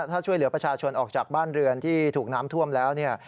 ถ้าช่วยเหลือประชาชนออกจากบ้านเรือนที่ถูกน้ำท่วมแล้วเนี่ย